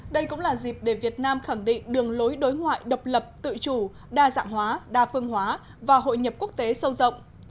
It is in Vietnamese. đây cũng là dịp để việt nam khẳng định đường lối đối ngoại độc lập tự chủ đa dạng hóa đa phương hóa và hội nhập quốc tế sâu rộng